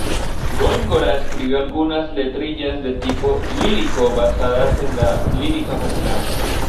Góngora escribió algunas letrillas de tipo lírico, basadas en la lírica popular.